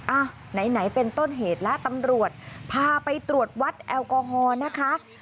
อ่ะไหนเป็นต้นเหตุแล้วตำรวจพาไปตรวจวัดแอลกอฮอล์นะคะ